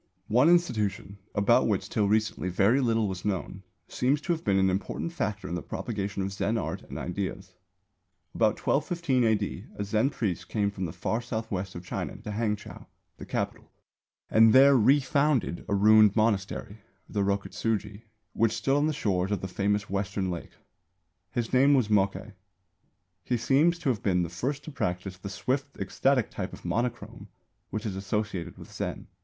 One institution, about which till recently very little was known, seems to have been an important factor in the propagation of Zen art and ideas. About 1215 A.D. a Zen priest came from the far south west of China to Hangchow, the Capital, and there refounded a ruined monastery, the Rokutsūji, which stood on the shores of the famous Western Lake. His name was Mokkei. He seems to have been the first to practise the swift, ecstatic type of monochrome which is associated with Zen.